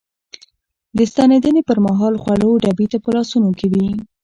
د ستنېدنې پر مهال خوړو ډبي په لاسونو کې وې.